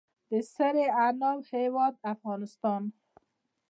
د سرې عناب هیواد افغانستان.